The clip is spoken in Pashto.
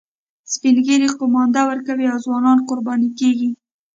سپین ږیري قومانده ورکوي او ځوانان قرباني کیږي